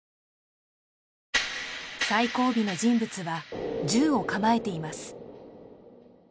最後尾の人物は構えています